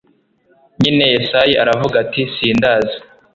nyine yesayi aravuga ati sinzaza